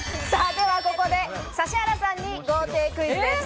ではここで指原さんに豪邸クイズです。